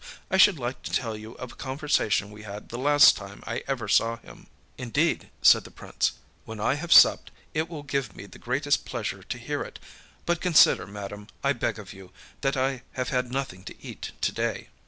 I should like to tell you of a conversation we had the last time I ever saw him.â âIndeed,â said the Prince, âwhen I have supped it will give me the greatest pleasure to hear it; but consider, madam, I beg of you, that I have had nothing to eat to day.